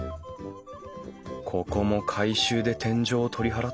ここも改修で天井を取り払ったのかな